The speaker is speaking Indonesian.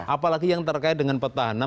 apalagi yang terkait dengan petahana